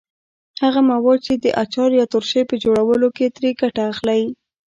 هغه مواد چې د اچار یا ترشۍ په جوړولو کې ترې ګټه اخلئ.